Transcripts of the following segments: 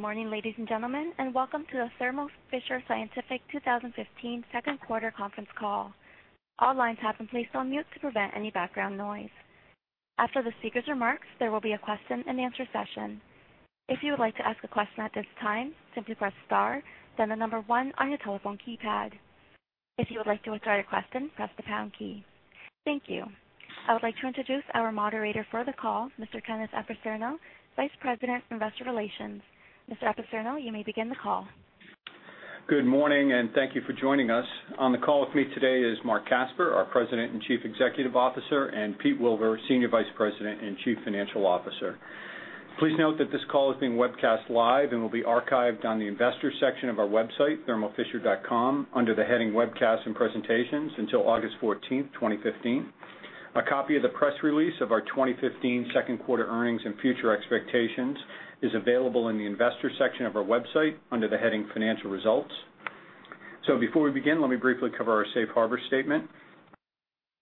Good morning, ladies and gentlemen, and welcome to the Thermo Fisher Scientific 2015 second quarter conference call. All lines have been placed on mute to prevent any background noise. After the speaker's remarks, there will be a question-and-answer session. If you would like to ask a question at this time, simply press star then the number one on your telephone keypad. If you would like to withdraw your question, press the pound key. Thank you. I would like to introduce our moderator for the call, Mr. Kenneth Apfel, Vice President of Investor Relations. Mr. Apfel, you may begin the call. Good morning, and thank you for joining us. On the call with me today is Marc Casper, our President and Chief Executive Officer, and Pete Wilver, Senior Vice President and Chief Financial Officer. Please note that this call is being webcast live and will be archived on the investors section of our website, thermofisher.com, under the heading Webcasts and Presentations until August 14th, 2015. A copy of the press release of our 2015 second quarter earnings and future expectations is available in the Investors section of our website under the heading Financial Results. Before we begin, let me briefly cover our safe harbor statement.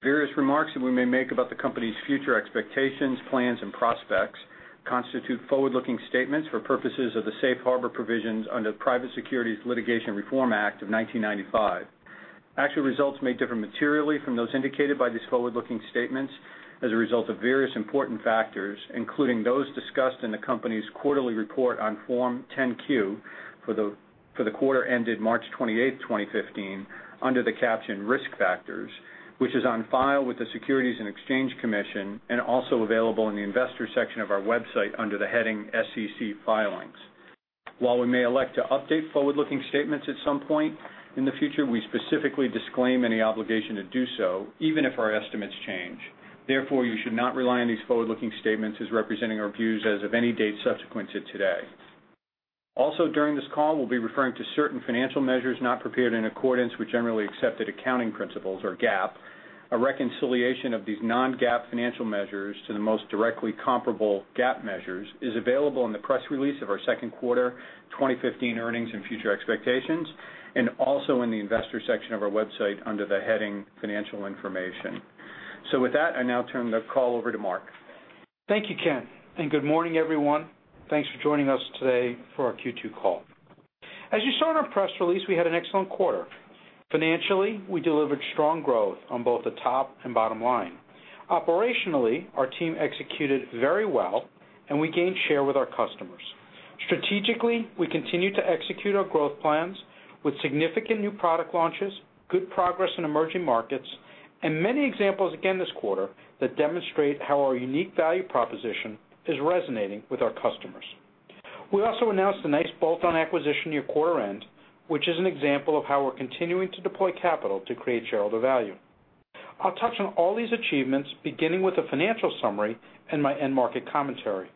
Various remarks that we may make about the company's future expectations, plans, and prospects constitute forward-looking statements for purposes of the safe harbor provisions under the Private Securities Litigation Reform Act of 1995. Actual results may differ materially from those indicated by these forward-looking statements as a result of various important factors, including those discussed in the company's quarterly report on Form 10-Q for the quarter ended March 28th, 2015, under the caption Risk Factors, which is on file with the Securities and Exchange Commission and also available in the Investors section of our website under the heading SEC Filings. While we may elect to update forward-looking statements at some point in the future, we specifically disclaim any obligation to do so, even if our estimates change. Therefore, you should not rely on these forward-looking statements as representing our views as of any date subsequent to today. Also, during this call, we'll be referring to certain financial measures not prepared in accordance with generally accepted accounting principles, or GAAP. A reconciliation of these non-GAAP financial measures to the most directly comparable GAAP measures is available in the press release of our second quarter 2015 earnings and future expectations, and also in the Investors section of our website under the heading Financial Information. With that, I now turn the call over to Marc. Thank you, Ken, and good morning, everyone. Thanks for joining us today for our Q2 call. As you saw in our press release, we had an excellent quarter. Financially, we delivered strong growth on both the top and bottom line. Operationally, our team executed very well, and we gained share with our customers. Strategically, we continued to execute our growth plans with significant new product launches, good progress in emerging markets, and many examples again this quarter that demonstrate how our unique value proposition is resonating with our customers. We also announced a nice bolt-on acquisition near quarter end, which is an example of how we're continuing to deploy capital to create shareholder value. I'll touch on all these achievements, beginning with a financial summary and my end market commentary.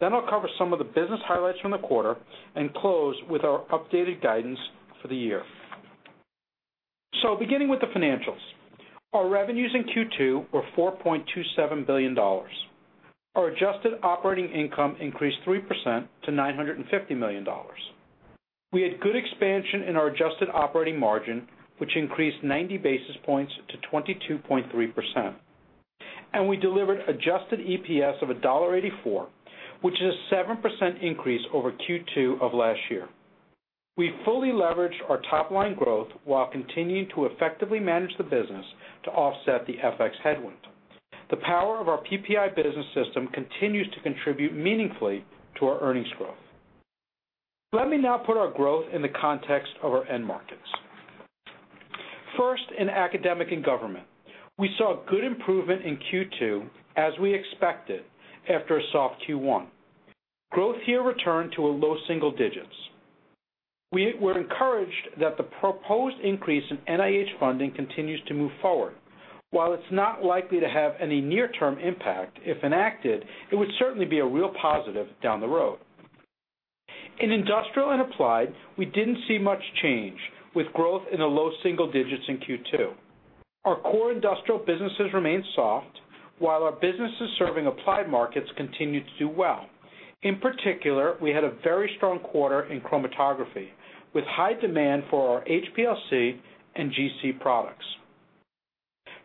I'll cover some of the business highlights from the quarter and close with our updated guidance for the year. Beginning with the financials. Our revenues in Q2 were $4.27 billion. Our adjusted operating income increased 3% to $950 million. We had good expansion in our adjusted operating margin, which increased 90 basis points to 22.3%. We delivered adjusted EPS of $1.84, which is a 7% increase over Q2 of last year. We fully leveraged our top-line growth while continuing to effectively manage the business to offset the FX headwind. The power of our PPI business system continues to contribute meaningfully to our earnings growth. Let me now put our growth in the context of our end markets. First, in academic and government, we saw good improvement in Q2 as we expected after a soft Q1. Growth here returned to a low single digits. We were encouraged that the proposed increase in NIH funding continues to move forward. While it's not likely to have any near-term impact if enacted, it would certainly be a real positive down the road. In industrial and applied, we didn't see much change with growth in the low single digits in Q2. Our core industrial businesses remained soft, while our businesses serving applied markets continued to do well. In particular, we had a very strong quarter in chromatography, with high demand for our HPLC and GC products.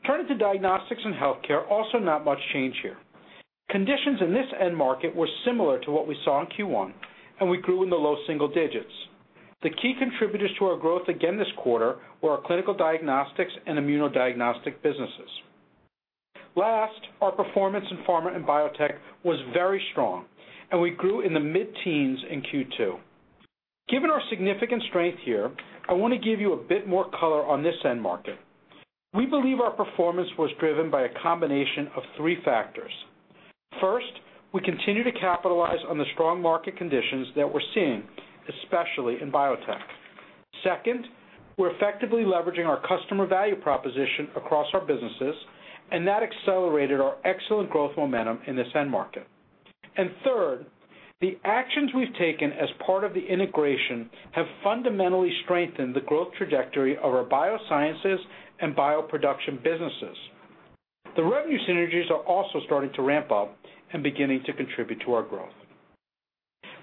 Turning to diagnostics and healthcare, also not much change here. Conditions in this end market were similar to what we saw in Q1, and we grew in the low single digits. The key contributors to our growth again this quarter were our clinical diagnostics and immunodiagnostics businesses. Last, our performance in pharma and biotech was very strong, and we grew in the mid-teens in Q2. Given our significant strength here, I want to give you a bit more color on this end market. We believe our performance was driven by a combination of three factors. First, we continue to capitalize on the strong market conditions that we're seeing, especially in biotech. Second, we're effectively leveraging our customer value proposition across our businesses, and that accelerated our excellent growth momentum in this end market. Third, the actions we've taken as part of the integration have fundamentally strengthened the growth trajectory of our biosciences and bioproduction businesses. The revenue synergies are also starting to ramp up and beginning to contribute to our growth.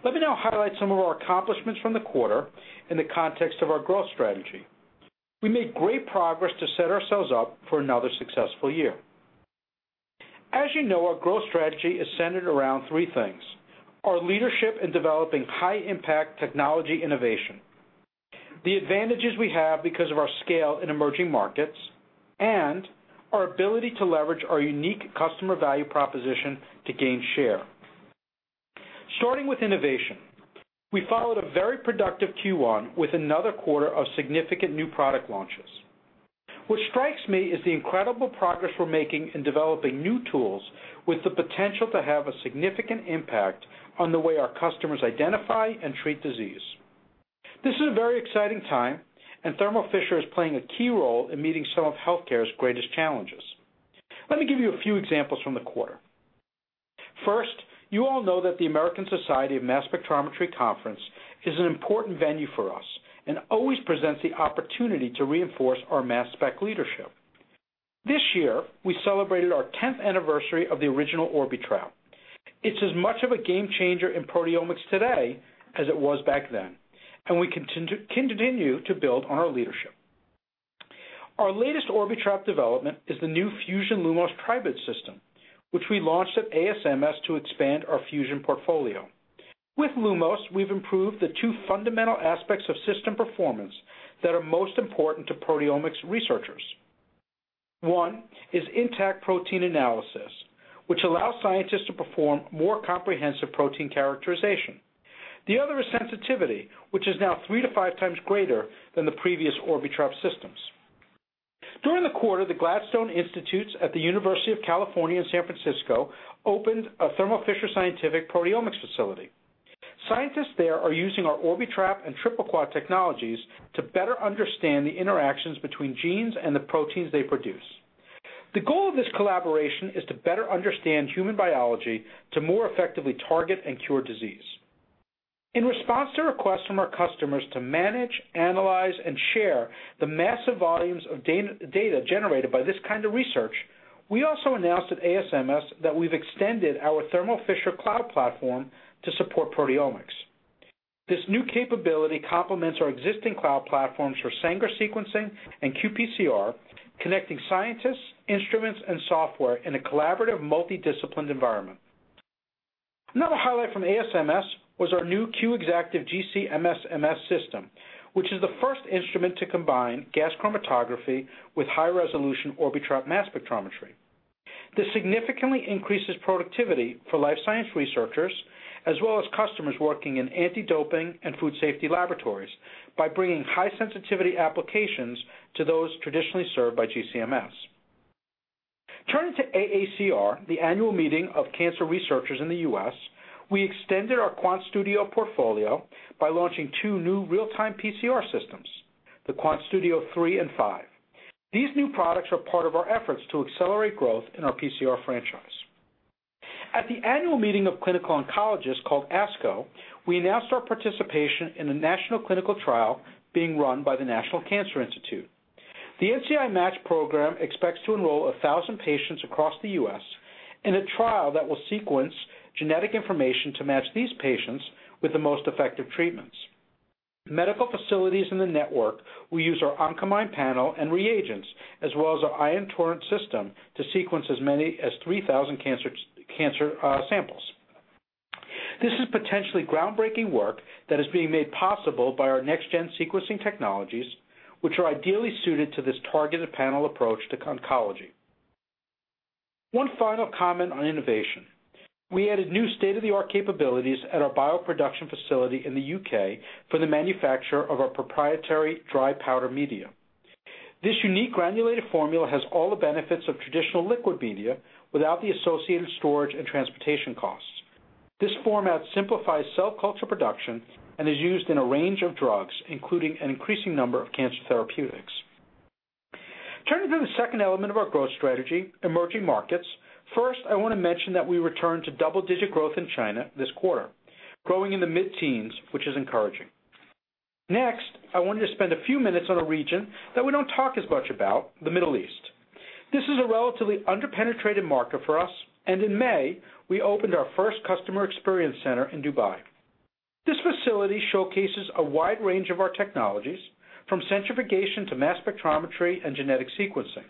Let me now highlight some of our accomplishments from the quarter in the context of our growth strategy. We made great progress to set ourselves up for another successful year. As you know, our growth strategy is centered around three things: Our leadership in developing high impact technology innovation, the advantages we have because of our scale in emerging markets, and our ability to leverage our unique customer value proposition to gain share. Starting with innovation, we followed a very productive Q1 with another quarter of significant new product launches. What strikes me is the incredible progress we're making in developing new tools with the potential to have a significant impact on the way our customers identify and treat disease. This is a very exciting time, and Thermo Fisher is playing a key role in meeting some of healthcare's greatest challenges. Let me give you a few examples from the quarter. First, you all know that the American Society for Mass Spectrometry conference is an important venue for us and always presents the opportunity to reinforce our mass spec leadership. This year, we celebrated our 10th anniversary of the original Orbitrap. It's as much of a game changer in proteomics today as it was back then, and we continue to build on our leadership. Our latest Orbitrap development is the new Fusion Lumos Tribrid system, which we launched at ASMS to expand our Fusion portfolio. With Lumos, we've improved the two fundamental aspects of system performance that are most important to proteomics researchers. One is intact protein analysis, which allows scientists to perform more comprehensive protein characterization. The other is sensitivity, which is now three to five times greater than the previous Orbitrap systems. During the quarter, the Gladstone Institutes at the University of California, San Francisco opened a Thermo Fisher Scientific proteomics facility. Scientists there are using our Orbitrap and TripleQuad technologies to better understand the interactions between genes and the proteins they produce. The goal of this collaboration is to better understand human biology to more effectively target and cure disease. In response to requests from our customers to manage, analyze, and share the massive volumes of data generated by this kind of research, we also announced at ASMS that we've extended our Thermo Fisher Cloud platform to support proteomics. This new capability complements our existing cloud platforms for Sanger sequencing and qPCR, connecting scientists, instruments, and software in a collaborative, multi-disciplined environment. Another highlight from ASMS was our new Q Exactive GC-MS/MS system, which is the first instrument to combine gas chromatography with high-resolution Orbitrap mass spectrometry. This significantly increases productivity for life science researchers, as well as customers working in anti-doping and food safety laboratories by bringing high sensitivity applications to those traditionally served by GC-MS. Turning to AACR, the annual meeting of cancer researchers in the U.S., we extended our QuantStudio portfolio by launching two new real-time PCR systems, the QuantStudio three and five. These new products are part of our efforts to accelerate growth in our PCR franchise. At the annual meeting of clinical oncologists called ASCO, we announced our participation in a national clinical trial being run by the National Cancer Institute. The NCI-MATCH program expects to enroll 1,000 patients across the U.S. in a trial that will sequence genetic information to match these patients with the most effective treatments. Medical facilities in the network will use our Oncomine panel and reagents, as well as our Ion Torrent system to sequence as many as 3,000 cancer samples. This is potentially groundbreaking work that is being made possible by our next-gen sequencing technologies, which are ideally suited to this targeted panel approach to oncology. One final comment on innovation. We added new state-of-the-art capabilities at our bioproduction facility in the U.K. for the manufacture of our proprietary dry powder media. This unique granulated formula has all the benefits of traditional liquid media without the associated storage and transportation costs. This format simplifies cell culture production and is used in a range of drugs, including an increasing number of cancer therapeutics. Turning to the second element of our growth strategy, emerging markets. First, I want to mention that we returned to double-digit growth in China this quarter, growing in the mid-teens, which is encouraging. Next, I wanted to spend a few minutes on a region that we don't talk as much about, the Middle East. This is a relatively under-penetrated market for us. In May, we opened our first customer experience center in Dubai. This facility showcases a wide range of our technologies, from centrifugation to mass spectrometry and genetic sequencing.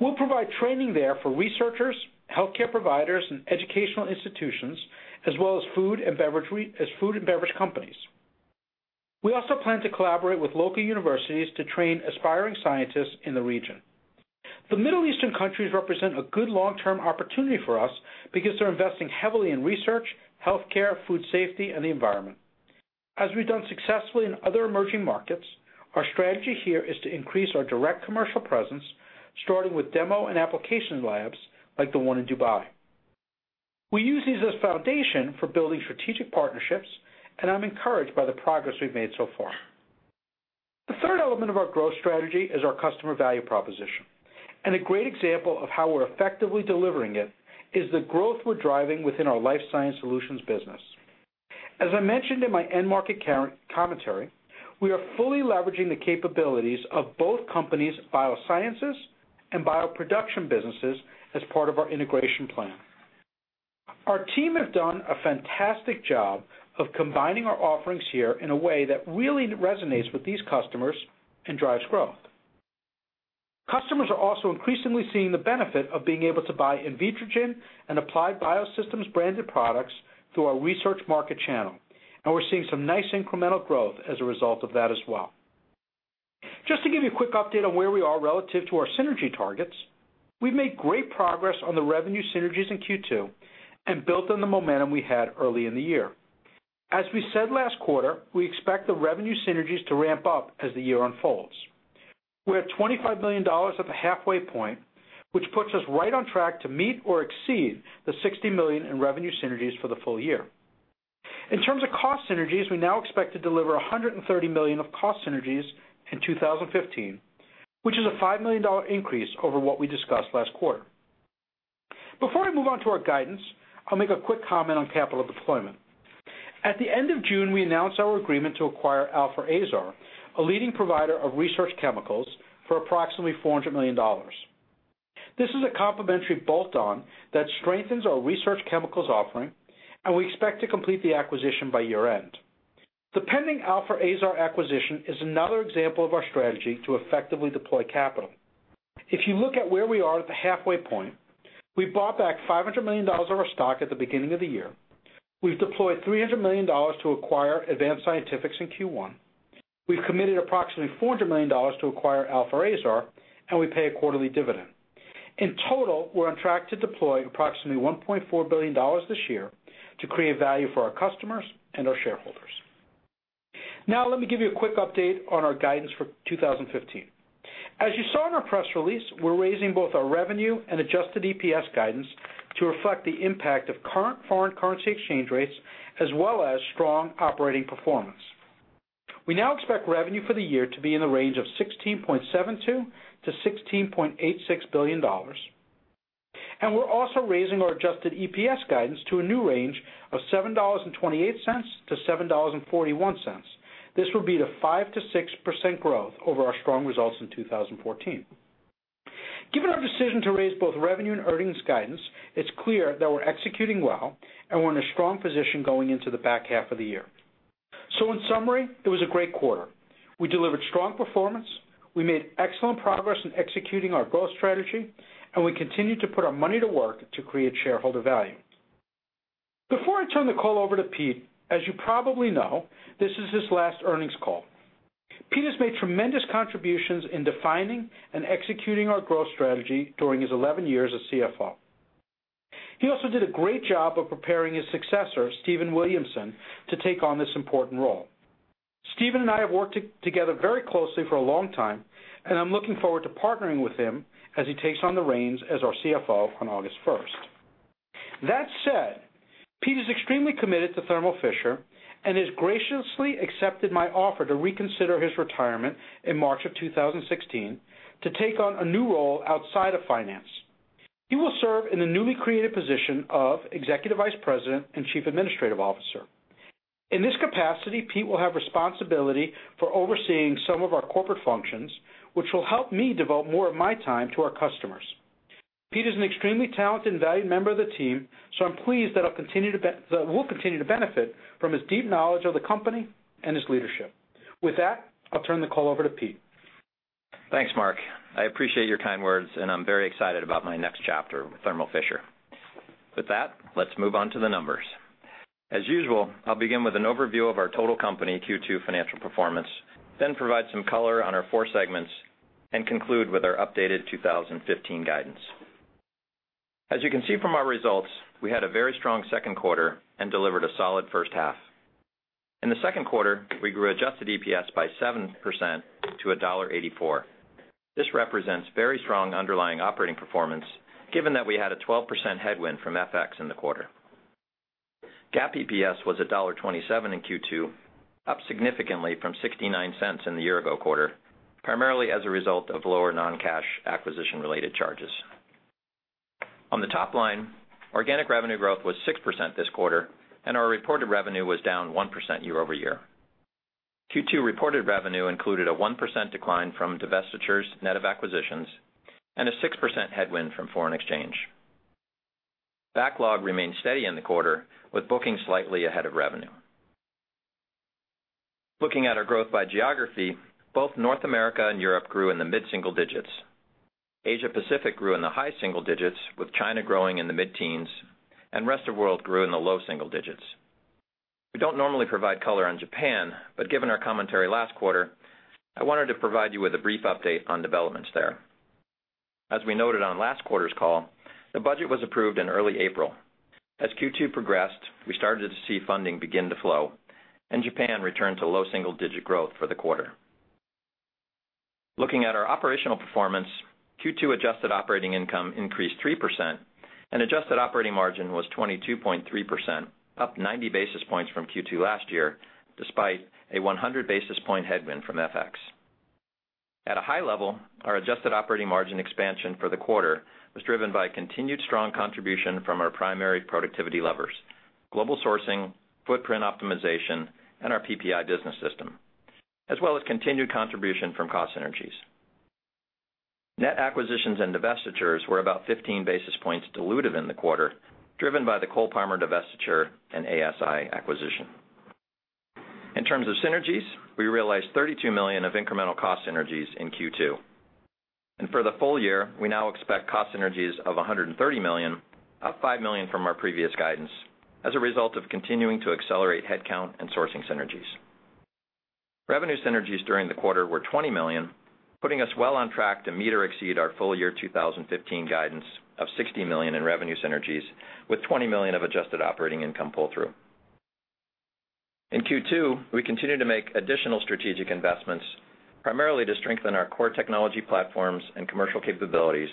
We'll provide training there for researchers, healthcare providers, and educational institutions, as well as food and beverage companies. We also plan to collaborate with local universities to train aspiring scientists in the region. The Middle Eastern countries represent a good long-term opportunity for us because they're investing heavily in research, healthcare, food safety, and the environment. As we've done successfully in other emerging markets, our strategy here is to increase our direct commercial presence, starting with demo and application labs like the one in Dubai. We use these as foundation for building strategic partnerships, and I'm encouraged by the progress we've made so far. The third element of our growth strategy is our customer value proposition. A great example of how we're effectively delivering it is the growth we're driving within our Life Sciences Solutions business. As I mentioned in my end market commentary, we are fully leveraging the capabilities of both companies' biosciences and bioproduction businesses as part of our integration plan. Our team have done a fantastic job of combining our offerings here in a way that really resonates with these customers and drives growth. Customers are also increasingly seeing the benefit of being able to buy Invitrogen and Applied Biosystems branded products through our research market channel, and we're seeing some nice incremental growth as a result of that as well. Just to give you a quick update on where we are relative to our synergy targets, we've made great progress on the revenue synergies in Q2. We built on the momentum we had early in the year. As we said last quarter, we expect the revenue synergies to ramp up as the year unfolds. We're at $25 million at the halfway point, which puts us right on track to meet or exceed the $60 million in revenue synergies for the full year. In terms of cost synergies, we now expect to deliver $130 million of cost synergies in 2015, which is a $5 million increase over what we discussed last quarter. Before I move on to our guidance, I'll make a quick comment on capital deployment. At the end of June, we announced our agreement to acquire Alfa Aesar, a leading provider of research chemicals for approximately $400 million. This is a complementary bolt-on that strengthens our research chemicals offering. We expect to complete the acquisition by year-end. The pending Alfa Aesar acquisition is another example of our strategy to effectively deploy capital. If you look at where we are at the halfway point, we bought back $500 million of our stock at the beginning of the year. We've deployed $300 million to acquire Advanced Scientifics in Q1. We've committed approximately $400 million to acquire Alfa Aesar. We pay a quarterly dividend. In total, we're on track to deploy approximately $1.4 billion this year to create value for our customers and our shareholders. Let me give you a quick update on our guidance for 2015. As you saw in our press release, we're raising both our revenue and adjusted EPS guidance to reflect the impact of current foreign currency exchange rates, as well as strong operating performance. We now expect revenue for the year to be in the range of $16.72 billion-$16.86 billion. We're also raising our adjusted EPS guidance to a new range of $7.28-$7.41. This will be the 5%-6% growth over our strong results in 2014. Given our decision to raise both revenue and earnings guidance, it's clear that we're executing well and we're in a strong position going into the back half of the year. In summary, it was a great quarter. We delivered strong performance, we made excellent progress in executing our growth strategy, and we continued to put our money to work to create shareholder value. Before I turn the call over to Pete, as you probably know, this is his last earnings call. Pete has made tremendous contributions in defining and executing our growth strategy during his 11 years as CFO. He also did a great job of preparing his successor, Stephen Williamson, to take on this important role. Stephen and I have worked together very closely for a long time. I'm looking forward to partnering with him as he takes on the reins as our CFO on August 1st. That said, Pete is extremely committed to Thermo Fisher and has graciously accepted my offer to reconsider his retirement in March of 2016 to take on a new role outside of finance. He will serve in the newly created position of Executive Vice President and Chief Administrative Officer. In this capacity, Pete will have responsibility for overseeing some of our corporate functions, which will help me devote more of my time to our customers. Pete is an extremely talented and valued member of the team. I'm pleased that we'll continue to benefit from his deep knowledge of the company and his leadership. With that, I'll turn the call over to Pete. Thanks, Marc. I appreciate your kind words, and I'm very excited about my next chapter with Thermo Fisher. With that, let's move on to the numbers. As usual, I'll begin with an overview of our total company Q2 financial performance, then provide some color on our four segments, and conclude with our updated 2015 guidance. As you can see from our results, we had a very strong second quarter and delivered a solid first half. In the second quarter, we grew adjusted EPS by 7% to $1.84. This represents very strong underlying operating performance given that we had a 12% headwind from FX in the quarter. GAAP EPS was $1.27 in Q2, up significantly from $0.69 in the year-ago quarter, primarily as a result of lower non-cash acquisition-related charges. On the top line, organic revenue growth was 6% this quarter. Our reported revenue was down 1% year-over-year. Q2 reported revenue included a 1% decline from divestitures net of acquisitions and a 6% headwind from foreign exchange. Backlog remained steady in the quarter with bookings slightly ahead of revenue. Looking at our growth by geography, both North America and Europe grew in the mid-single digits. Asia-Pacific grew in the high single digits, with China growing in the mid-teens. Rest of world grew in the low single digits. We don't normally provide color on Japan, but given our commentary last quarter, I wanted to provide you with a brief update on developments there. As we noted on last quarter's call, the budget was approved in early April. As Q2 progressed, we started to see funding begin to flow. Japan returned to low double-digit growth for the quarter. Looking at our operational performance, Q2 adjusted operating income increased 3%. Adjusted operating margin was 22.3%, up 90 basis points from Q2 last year, despite a 100 basis point headwind from FX. At a high level, our adjusted operating margin expansion for the quarter was driven by continued strong contribution from our primary productivity levers: global sourcing, footprint optimization, and our PPI business system, as well as continued contribution from cost synergies. Net acquisitions and divestitures were about 15 basis points dilutive in the quarter, driven by the Cole-Parmer divestiture and ASI acquisition. In terms of synergies, we realized $32 million of incremental cost synergies in Q2. For the full year, we now expect cost synergies of $130 million, up $5 million from our previous guidance as a result of continuing to accelerate headcount and sourcing synergies. Revenue synergies during the quarter were $20 million, putting us well on track to meet or exceed our full year 2015 guidance of $60 million in revenue synergies, with $20 million of adjusted operating income pull-through. In Q2, we continued to make additional strategic investments, primarily to strengthen our core technology platforms and commercial capabilities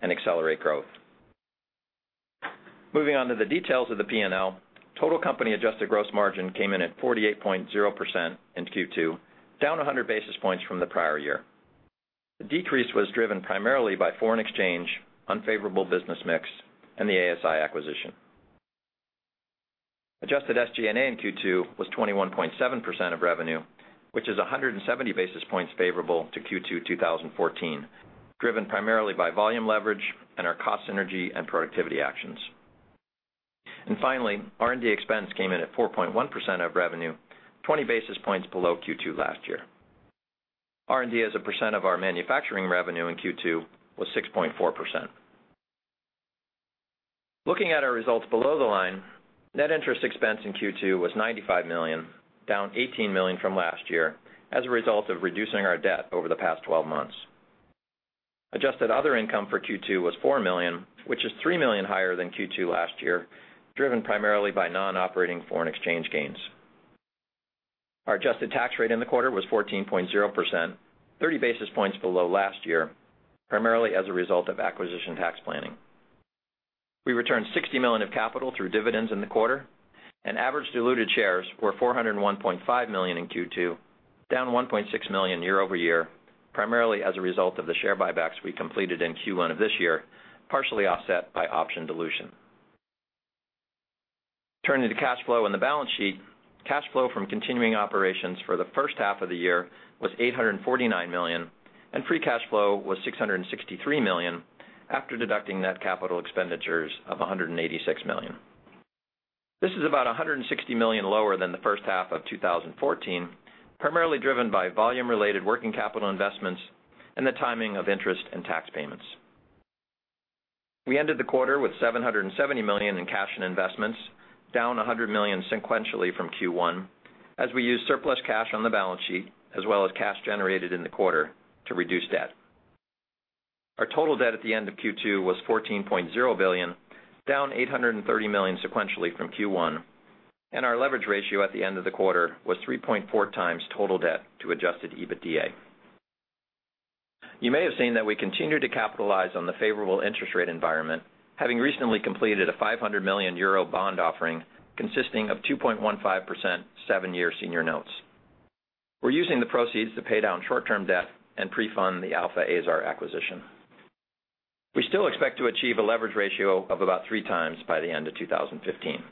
and accelerate growth. Moving on to the details of the P&L, total company adjusted gross margin came in at 48.0% in Q2, down 100 basis points from the prior year. The decrease was driven primarily by foreign exchange, unfavorable business mix, and the ASI acquisition. Adjusted SG&A in Q2 was 21.7% of revenue, which is 170 basis points favorable to Q2 2014, driven primarily by volume leverage and our cost synergy and productivity actions. Finally, R&D expense came in at 4.1% of revenue, 20 basis points below Q2 last year. R&D as a percent of our manufacturing revenue in Q2 was 6.4%. Looking at our results below the line, net interest expense in Q2 was $95 million, down $18 million from last year as a result of reducing our debt over the past 12 months. Adjusted other income for Q2 was $4 million, which is $3 million higher than Q2 last year, driven primarily by non-operating foreign exchange gains. Our adjusted tax rate in the quarter was 14.0%, 30 basis points below last year, primarily as a result of acquisition tax planning. We returned $60 million of capital through dividends in the quarter, average diluted shares were 401.5 million in Q2, down 1.6 million year-over-year, primarily as a result of the share buybacks we completed in Q1 of this year, partially offset by option dilution. Turning to cash flow and the balance sheet, cash flow from continuing operations for the first half of the year was $849 million, and free cash flow was $663 million after deducting net capital expenditures of $186 million. This is about $160 million lower than the first half of 2014, primarily driven by volume-related working capital investments and the timing of interest and tax payments. We ended the quarter with $770 million in cash and investments, down $100 million sequentially from Q1, as we used surplus cash on the balance sheet as well as cash generated in the quarter to reduce debt. Our total debt at the end of Q2 was $14.0 billion, down $830 million sequentially from Q1, our leverage ratio at the end of the quarter was 3.4 times total debt to adjusted EBITDA. You may have seen that we continue to capitalize on the favorable interest rate environment, having recently completed a 500 million euro bond offering consisting of 2.15% seven-year senior notes. We're using the proceeds to pay down short-term debt and pre-fund the Alfa Aesar acquisition. We still expect to achieve a leverage ratio of about three times by the end of 2015.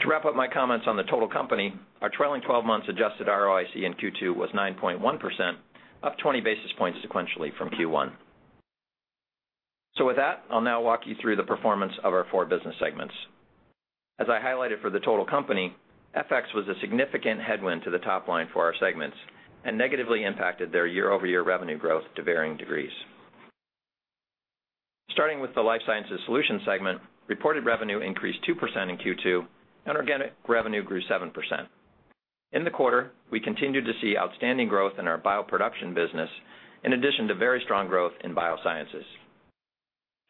To wrap up my comments on the total company, our trailing 12 months adjusted ROIC in Q2 was 9.1%, up 20 basis points sequentially from Q1. With that, I'll now walk you through the performance of our four business segments. As I highlighted for the total company, FX was a significant headwind to the top line for our segments, negatively impacted their year-over-year revenue growth to varying degrees. Starting with the Life Sciences Solutions segment, reported revenue increased 2% in Q2, organic revenue grew 7%. In the quarter, we continued to see outstanding growth in our bioproduction business, in addition to very strong growth in biosciences.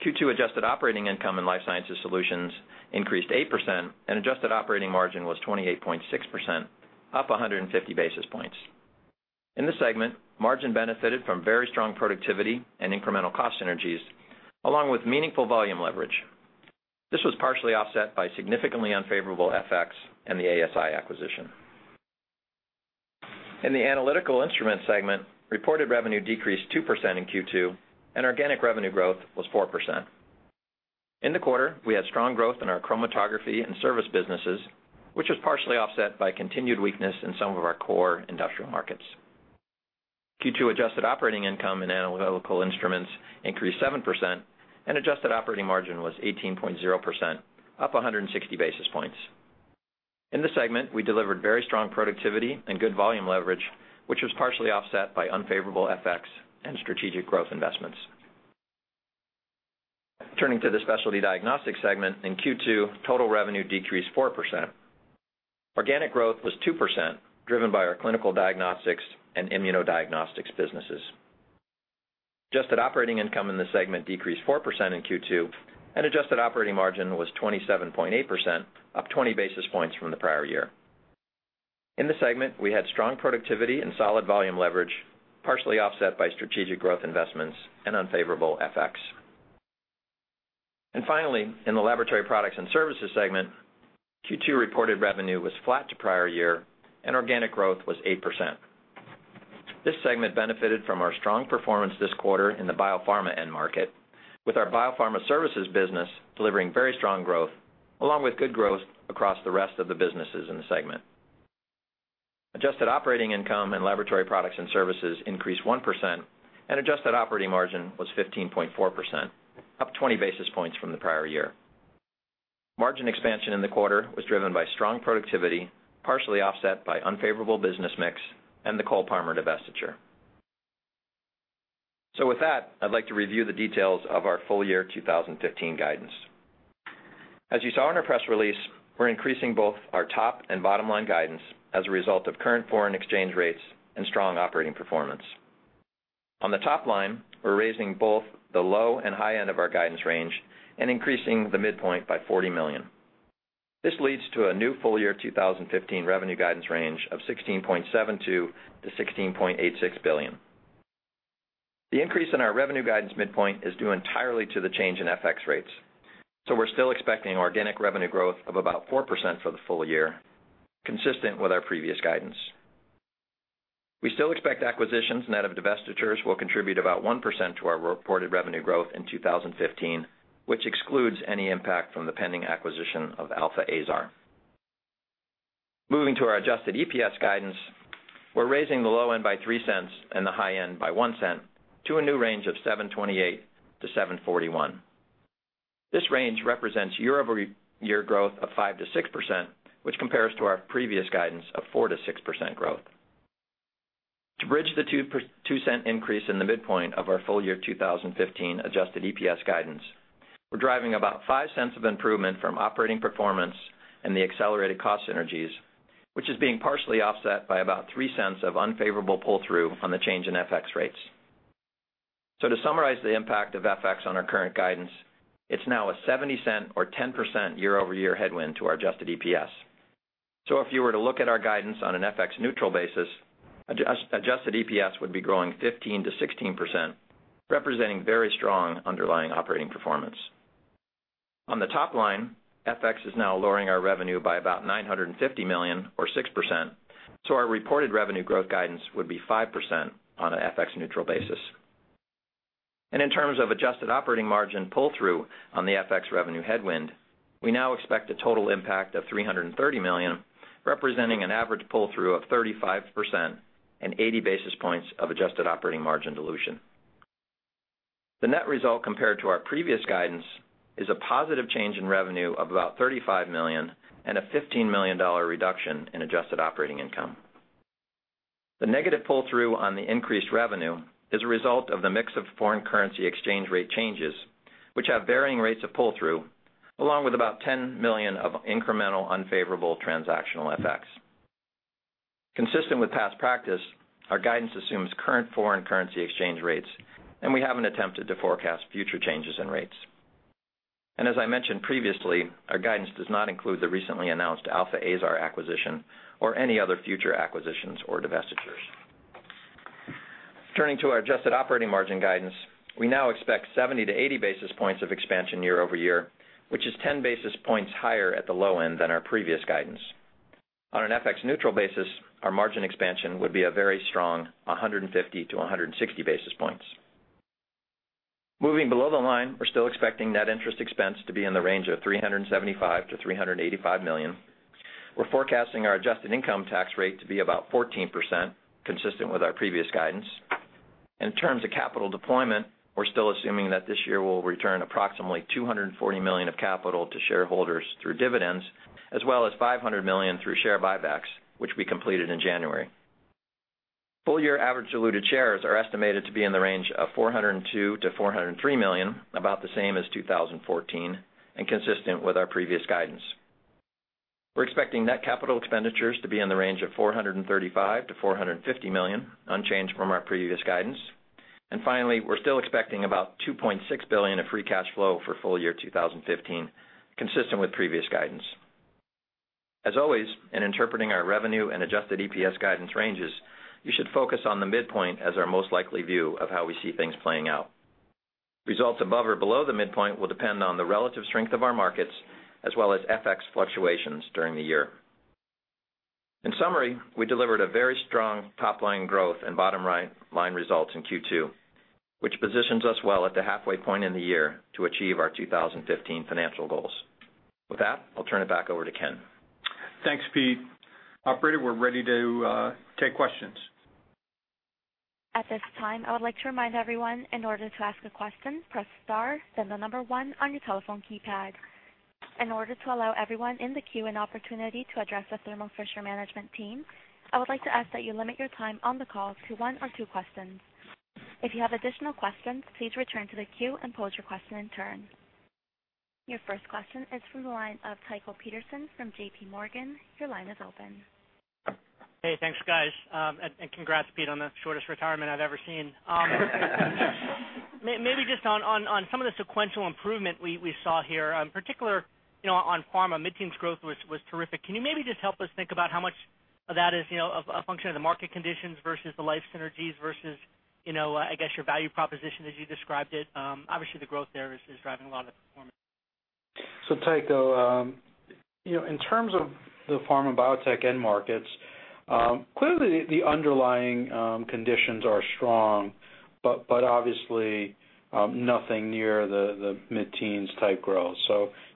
Q2 adjusted operating income in Life Sciences Solutions increased 8%, adjusted operating margin was 28.6%, up 150 basis points. In this segment, margin benefited from very strong productivity and incremental cost synergies along with meaningful volume leverage. This was partially offset by significantly unfavorable FX and the ASI acquisition. In the Analytical Instruments segment, reported revenue decreased 2% in Q2, organic revenue growth was 4%. In the quarter, we had strong growth in our chromatography and service businesses, which was partially offset by continued weakness in some of our core industrial markets. Q2 adjusted operating income in Analytical Instruments increased 7%, and adjusted operating margin was 18.0%, up 160 basis points. In this segment, we delivered very strong productivity and good volume leverage, which was partially offset by unfavorable FX and strategic growth investments. Turning to the Specialty Diagnostics Segment, in Q2, total revenue decreased 4%. Organic growth was 2%, driven by our clinical diagnostics and immunodiagnostics businesses. Adjusted operating income in the segment decreased 4% in Q2, and adjusted operating margin was 27.8%, up 20 basis points from the prior year. In the segment, we had strong productivity and solid volume leverage, partially offset by strategic growth investments and unfavorable FX. Finally, in the Laboratory Products and Services Segment, Q2 reported revenue was flat to prior year and organic growth was 8%. This segment benefited from our strong performance this quarter in the biopharma end market, with our biopharma services business delivering very strong growth along with good growth across the rest of the businesses in the segment. Adjusted operating income and Laboratory Products and Services increased 1%, and adjusted operating margin was 15.4%, up 20 basis points from the prior year. Margin expansion in the quarter was driven by strong productivity, partially offset by unfavorable business mix and the Cole-Parmer divestiture. With that, I'd like to review the details of our full year 2015 guidance. As you saw in our press release, we're increasing both our top and bottom-line guidance as a result of current foreign exchange rates and strong operating performance. On the top line, we're raising both the low and high end of our guidance range and increasing the midpoint by $40 million. This leads to a new full-year 2015 revenue guidance range of $16.72 billion-$16.86 billion. The increase in our revenue guidance midpoint is due entirely to the change in FX rates. We're still expecting organic revenue growth of about 4% for the full year, consistent with our previous guidance. We still expect acquisitions net of divestitures will contribute about 1% to our reported revenue growth in 2015, which excludes any impact from the pending acquisition of Alfa Aesar. Moving to our adjusted EPS guidance, we're raising the low end by $0.03 and the high end by $0.01 to a new range of $7.28-$7.41. This range represents year-over-year growth of 5%-6%, which compares to our previous guidance of 4%-6% growth. To bridge the $0.02 increase in the midpoint of our full year 2015 adjusted EPS guidance, we're driving about $0.05 of improvement from operating performance and the accelerated cost synergies, which is being partially offset by about $0.03 of unfavorable pull-through on the change in FX rates. To summarize the impact of FX on our current guidance, it's now a $0.70 or 10% year-over-year headwind to our adjusted EPS. If you were to look at our guidance on an FX-neutral basis, adjusted EPS would be growing 15%-16%, representing very strong underlying operating performance. On the top line, FX is now lowering our revenue by about $950 million or 6%, our reported revenue growth guidance would be 5% on an FX-neutral basis. In terms of adjusted operating margin pull-through on the FX revenue headwind, we now expect a total impact of $330 million, representing an average pull-through of 35% and 80 basis points of adjusted operating margin dilution. The net result compared to our previous guidance is a positive change in revenue of about $35 million and a $15 million reduction in adjusted operating income. The negative pull-through on the increased revenue is a result of the mix of foreign currency exchange rate changes, which have varying rates of pull-through, along with about $10 million of incremental unfavorable transactional FX. Consistent with past practice, our guidance assumes current foreign currency exchange rates, we haven't attempted to forecast future changes in rates. As I mentioned previously, our guidance does not include the recently announced Alfa Aesar acquisition or any other future acquisitions or divestitures. Turning to our adjusted operating margin guidance, we now expect 70-80 basis points of expansion year-over-year, which is 10 basis points higher at the low end than our previous guidance. On an FX-neutral basis, our margin expansion would be a very strong 150-160 basis points. Moving below the line, we're still expecting net interest expense to be in the range of $375 million-$385 million. We're forecasting our adjusted income tax rate to be about 14%, consistent with our previous guidance. In terms of capital deployment, we're still assuming that this year we'll return approximately $240 million of capital to shareholders through dividends, as well as $500 million through share buybacks, which we completed in January. Full year average diluted shares are estimated to be in the range of 402 million-403 million, about the same as 2014 and consistent with our previous guidance. We're expecting net capital expenditures to be in the range of $435 million-$450 million, unchanged from our previous guidance. Finally, we're still expecting about $2.6 billion of free cash flow for full year 2015, consistent with previous guidance. As always, in interpreting our revenue and adjusted EPS guidance ranges, you should focus on the midpoint as our most likely view of how we see things playing out. Results above or below the midpoint will depend on the relative strength of our markets as well as FX fluctuations during the year. In summary, we delivered a very strong top-line growth and bottom-line results in Q2, which positions us well at the halfway point in the year to achieve our 2015 financial goals. With that, I'll turn it back over to Ken. Thanks, Pete. Operator, we're ready to take questions. At this time, I would like to remind everyone, in order to ask a question, press star, then the number 1 on your telephone keypad. In order to allow everyone in the queue an opportunity to address the Thermo Fisher management team, I would like to ask that you limit your time on the call to one or two questions. If you have additional questions, please return to the queue and pose your question in turn. Your first question is from the line of Tycho Peterson from J.P. Morgan. Your line is open. Hey, thanks, guys. Congrats, Pete, on the shortest retirement I've ever seen. Maybe just on some of the sequential improvement we saw here, particular on pharma, mid-teens growth was terrific. Can you maybe just help us think about how much of that is a function of the market conditions versus the life synergies versus, I guess, your value proposition as you described it? Obviously, the growth there is driving a lot of the performance. Tyco, in terms of the pharma biotech end markets, clearly the underlying conditions are strong, but obviously nothing near the mid-teens type growth.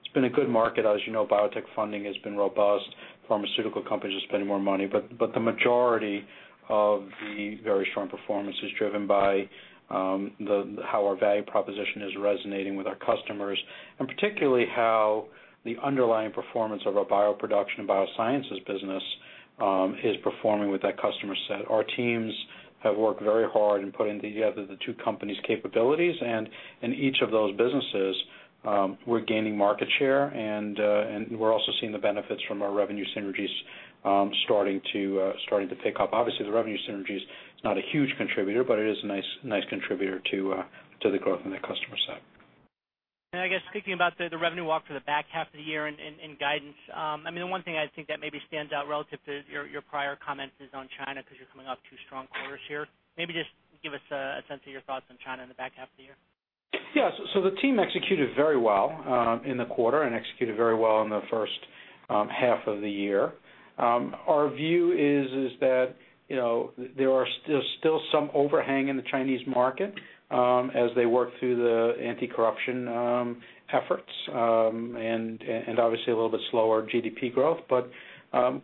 It's been a good market. As you know, biotech funding has been robust. Pharmaceutical companies are spending more money, but the majority of the very strong performance is driven by how our value proposition is resonating with our customers, and particularly how the underlying performance of our bioproduction and biosciences business is performing with that customer set. Our teams have worked very hard in putting together the two companies' capabilities, and in each of those businesses, we're gaining market share, and we're also seeing the benefits from our revenue synergies starting to pick up. Obviously, the revenue synergy is not a huge contributor, but it is a nice contributor to the growth in the customer set. I guess thinking about the revenue walk for the back half of the year and guidance, the one thing I think that maybe stands out relative to your prior comments is on China, because you're coming off two strong quarters here. Maybe just give us a sense of your thoughts on China in the back half of the year. Yeah. The team executed very well in the quarter and executed very well in the first half of the year. Our view is that there's still some overhang in the Chinese market as they work through the anti-corruption efforts, and obviously a little bit slower GDP growth.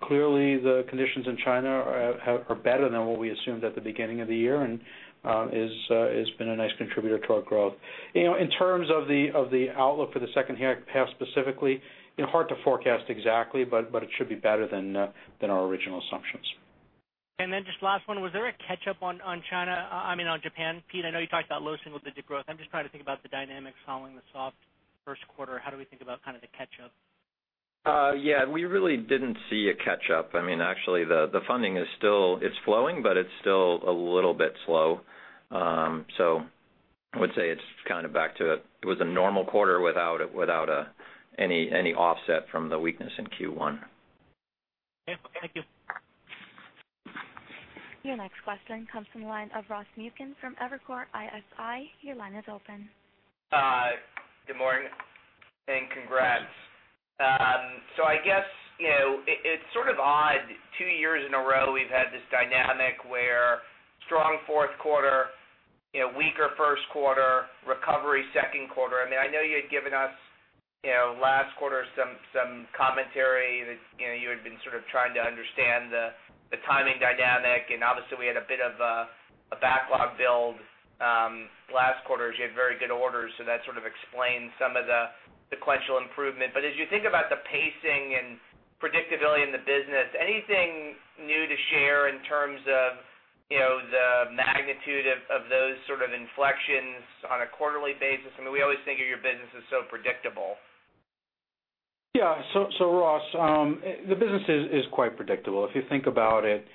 Clearly the conditions in China are better than what we assumed at the beginning of the year and it's been a nice contributor to our growth. In terms of the outlook for the second half specifically, hard to forecast exactly, but it should be better than our original assumptions. Just last one, was there a catch-up on Japan? Pete, I know you talked about low single-digit growth. I'm just trying to think about the dynamics following the soft first quarter. How do we think about kind of the catch-up? Yeah. We really didn't see a catch-up. Actually, the funding, it's flowing, but it's still a little bit slow. I would say it's kind of back to it was a normal quarter without any offset from the weakness in Q1. Okay. Thank you. Your next question comes from the line of Ross Muken from Evercore ISI. Your line is open. Good morning and congrats. I guess, it's sort of odd, 2 years in a row we've had this dynamic where strong fourth quarter, weaker first quarter, recovery second quarter. I know you had given us last quarter some commentary that you had been sort of trying to understand the timing dynamic, and obviously we had a bit of a backlog build last quarter as you had very good orders, so that sort of explains some of the sequential improvement. As you think about the pacing and predictability in the business, anything new to share in terms of the magnitude of those sort of inflections on a quarterly basis? We always think of your business as so predictable. Yeah. Ross, the business is quite predictable. If you think about it,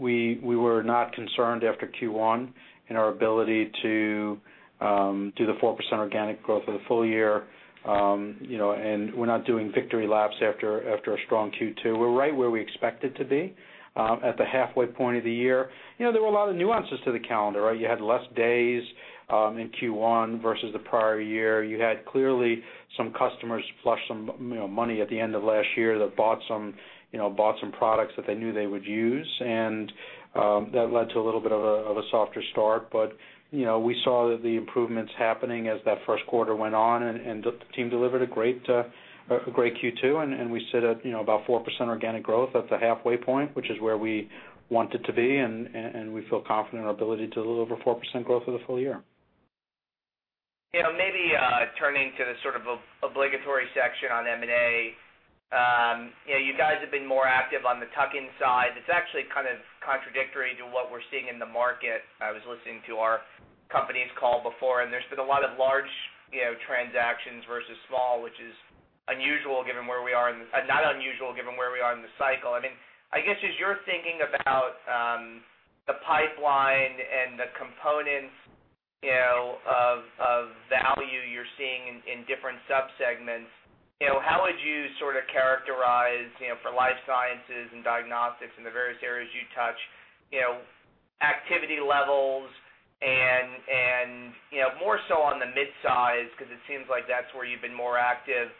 we were not concerned after Q1 in our ability to do the 4% organic growth for the full year. We're not doing victory laps after a strong Q2. We're right where we expected to be at the halfway point of the year. There were a lot of nuances to the calendar. You had less days in Q1 versus the prior year. You had clearly some customers flush some money at the end of last year that bought some products that they knew they would use, and that led to a little bit of a softer start. We saw the improvements happening as that first quarter went on, and the team delivered a great Q2, and we sit at about 4% organic growth. That's a halfway point, which is where we want it to be, we feel confident in our ability to deliver 4% growth for the full year. Maybe turning to the sort of obligatory section on M&A. You guys have been more active on the tuck-in side. It's actually kind of contradictory to what we're seeing in the market. I was listening to our company's call before. There's been a lot of large transactions versus small, which is not unusual given where we are in the cycle. I guess as you're thinking about the pipeline and the components of value you're seeing in different sub-segments, how would you sort of characterize, for life sciences and diagnostics and the various areas you touch, activity levels and more so on the midsize, because it seems like that's where you've been more active,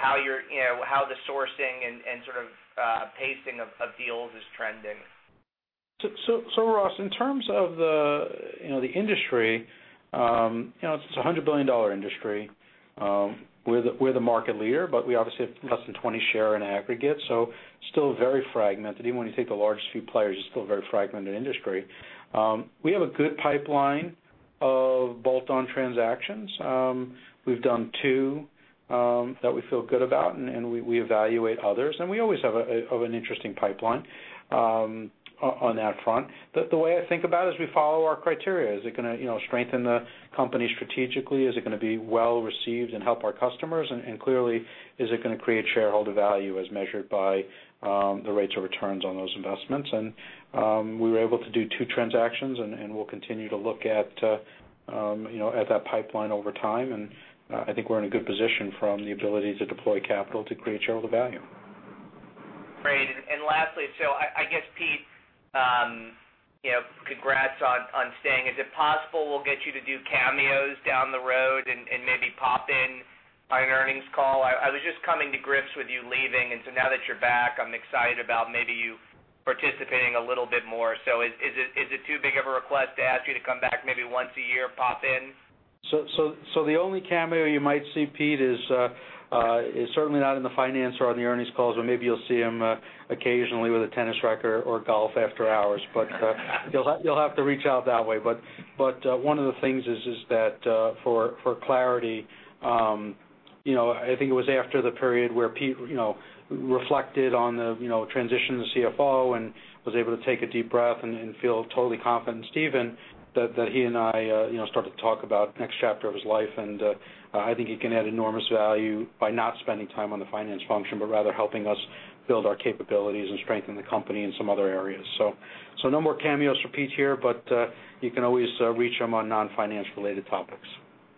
how the sourcing and sort of pacing of deals is trending? Ross, in terms of the industry, it's a $100 billion industry. We're the market leader. We obviously have less than 20% share in aggregate, still very fragmented. Even when you take the largest few players, it's still a very fragmented industry. We have a good pipeline of bolt-on transactions. We've done two that we feel good about. We evaluate others. We always have an interesting pipeline on that front. The way I think about it is we follow our criteria. Is it going to strengthen the company strategically? Is it going to be well received and help our customers? Clearly, is it going to create shareholder value as measured by the rates of returns on those investments? We were able to do two transactions. We'll continue to look at that pipeline over time. I think we're in a good position from the ability to deploy capital to create shareholder value. Great. Lastly, I guess Pete, congrats on staying. Is it possible we'll get you to do cameos down the road and maybe pop in on an earnings call? I was just coming to grips with you leaving. Now that you're back, I'm excited about maybe you participating a little bit more. Is it too big of a request to ask you to come back maybe once a year, pop in? The only cameo you might see Pete is certainly not in the finance or on the earnings calls, but maybe you'll see him occasionally with a tennis racket or golf after hours. You'll have to reach out that way. One of the things is that, for clarity, I think it was after the period where Pete reflected on the transition to CFO and was able to take a deep breath and feel totally confident in Stephen, that he and I started to talk about the next chapter of his life. I think he can add enormous value by not spending time on the finance function, but rather helping us build our capabilities and strengthen the company in some other areas. No more cameos for Pete here, but, you can always reach him on non-finance related topics.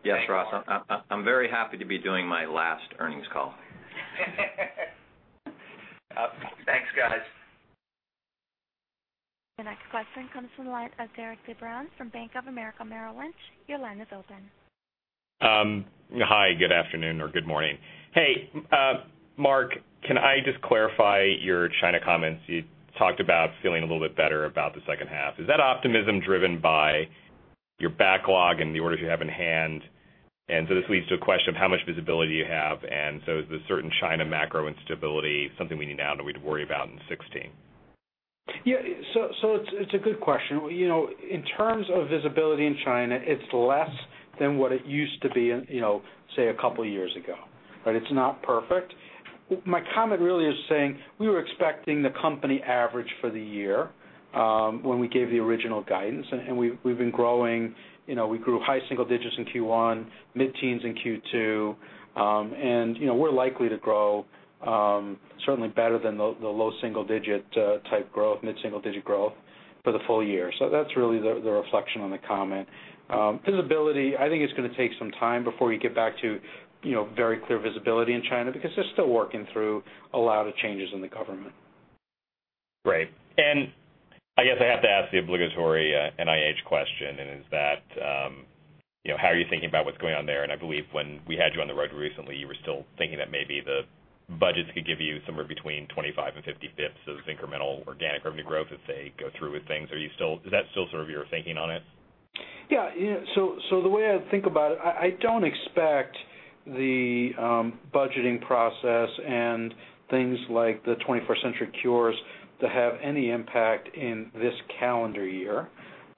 Yes, Ross, I'm very happy to be doing my last earnings call. Thanks, guys. Your next question comes from the line of Derik De Bruin from Bank of America Merrill Lynch. Your line is open. Hi, good afternoon or good morning. Hey, Marc, can I just clarify your China comments? You talked about feeling a little bit better about the second half. Is that optimism driven by your backlog and the orders you have in hand? This leads to a question of how much visibility you have, is the certain China macro instability something we need now to worry about in 2016? Yeah. It's a good question. In terms of visibility in China, it's less than what it used to be, say, a couple of years ago. It's not perfect. My comment really is saying we were expecting the company average for the year, when we gave the original guidance, and we've been growing. We grew high single digits in Q1, mid-teens in Q2. We're likely to grow, certainly better than the low single digit type growth, mid-single digit growth for the full year. That's really the reflection on the comment. Visibility, I think it's going to take some time before we get back to very clear visibility in China because they're still working through a lot of changes in the government. Great. I guess I have to ask the obligatory NIH question, how are you thinking about what's going on there? I believe when we had you on the road recently, you were still thinking that maybe the budgets could give you somewhere between 25 and 50 basis points of incremental organic revenue growth if they go through with things. Is that still sort of your thinking on it? Yeah. The way I think about it, I don't expect the budgeting process and things like the 21st Century Cures to have any impact in this calendar year.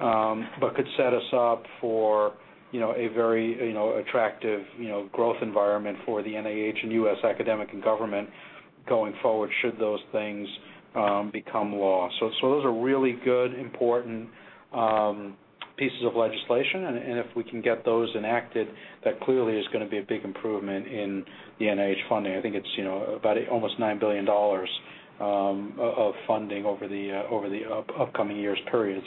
Could set us up for a very attractive growth environment for the NIH and U.S. academic and government going forward should those things become law. Those are really good, important pieces of legislation and if we can get those enacted, that clearly is going to be a big improvement in the NIH funding. I think it's almost $9 billion of funding over the upcoming years period.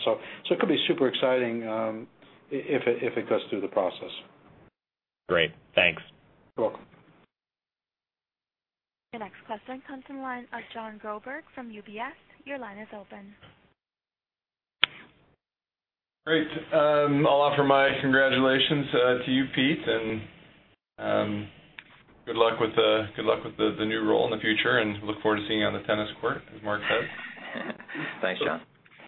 It could be super exciting if it goes through the process. Great. Thanks. You're welcome. Your next question comes from the line of Jon Groberg from UBS. Your line is open. Great. I'll offer my congratulations to you, Pete, and good luck with the new role in the future, and look forward to seeing you on the tennis court, as Marc said. Thanks,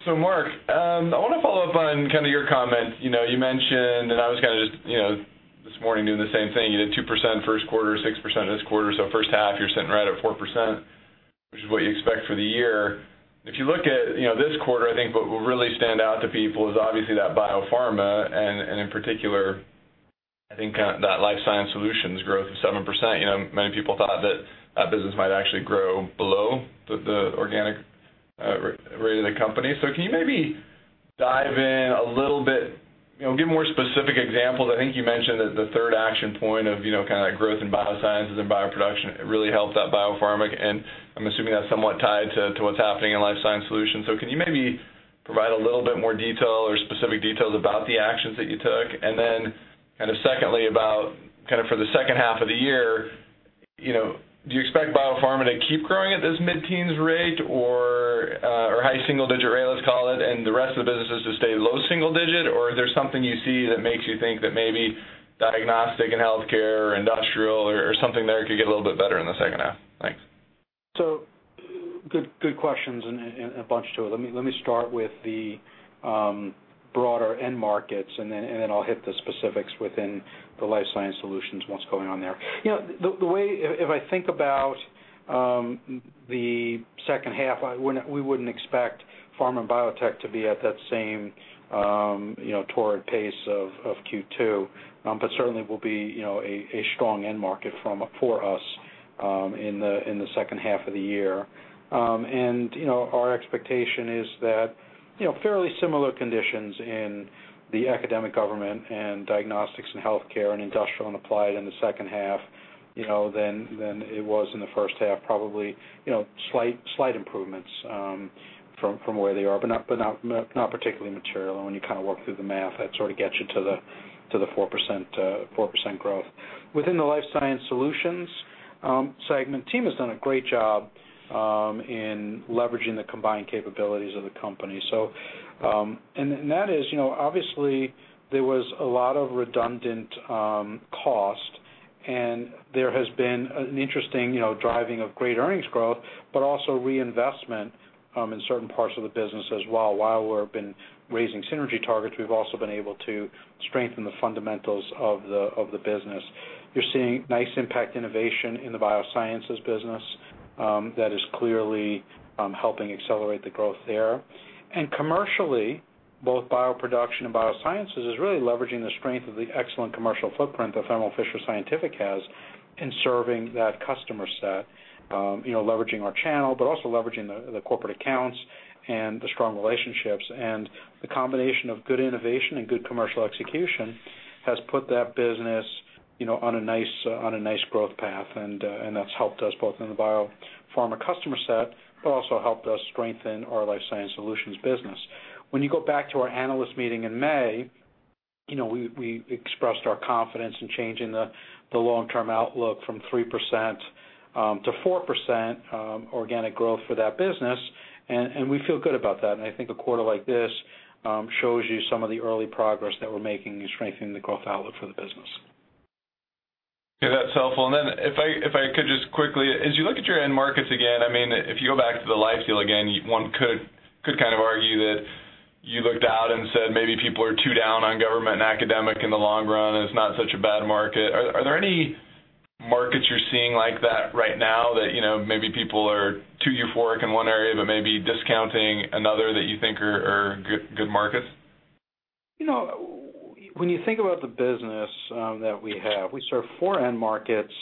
Jon. Marc, I want to follow up on kind of your comment. You mentioned, and I was kind of just this morning doing the same thing. You did 2% first quarter, 6% this quarter. The first half you're sitting right at 4%, which is what you expect for the year. If you look at this quarter, I think what will really stand out to people is obviously that biopharma and in particular, I think that Life Sciences Solutions growth of 7%. Many people thought that that business might actually grow below the organic rate of the company. Can you maybe dive in a little bit, give more specific examples? I think you mentioned that the third action point of kind of that growth in biosciences and bioproduction, it really helped that biopharm. And I'm assuming that's somewhat tied to what's happening in Life Sciences Solutions. Can you maybe provide a little bit more detail or specific details about the actions that you took? Then, kind of secondly, about for the second half of the year, do you expect biopharma to keep growing at this mid-teens rate or high single digit rate, let's call it? The rest of the businesses to stay low single digit or is there something you see that makes you think that maybe diagnostic and healthcare or industrial or something there could get a little bit better in the second half? Thanks. Good questions and a bunch to it. Let me start with the broader end markets, then I'll hit the specifics within the Life Sciences Solutions, what's going on there. If I think about the second half, we wouldn't expect pharma and biotech to be at that same torrid pace of Q2, but certainly will be a strong end market for us in the second half of the year. Our expectation is that fairly similar conditions in the academic government and diagnostics and healthcare and industrial and applied in the second half, than it was in the first half, probably slight improvements, from where they are, but not particularly material. When you kind of work through the math, that sort of gets you to the 4% growth. Within the Life Sciences Solutions Segment team has done a great job in leveraging the combined capabilities of the company. That is, obviously there was a lot of redundant cost and there has been an interesting driving of great earnings growth, but also reinvestment in certain parts of the business as while we've been raising synergy targets, we've also been able to strengthen the fundamentals of the business. You're seeing nice impact innovation in the biosciences business, that is clearly helping accelerate the growth there. Commercially, both bioproduction and biosciences is really leveraging the strength of the excellent commercial footprint that Thermo Fisher Scientific has in serving that customer set, leveraging our channel, but also leveraging the corporate accounts and the strong relationships. The combination of good innovation and good commercial execution has put that business on a nice growth path. That's helped us both in the biopharma customer set, but also helped us strengthen our Life Sciences Solutions business. When you go back to our analyst meeting in May, we expressed our confidence in changing the long-term outlook from 3%-4% organic growth for that business, and we feel good about that. I think a quarter like this shows you some of the early progress that we're making in strengthening the growth outlook for the business. Yeah, that's helpful. Then if I could just quickly, as you look at your end markets again, if you go back to the life deal again, one could kind of argue that you looked out and said maybe people are too down on government and academic in the long run, and it's not such a bad market. Are there any markets you're seeing like that right now that maybe people are too euphoric in one area, but maybe discounting another, that you think are good markets? When you think about the business that we have, we serve four end markets.